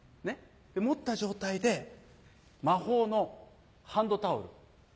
持った状態で魔法のハンドタオル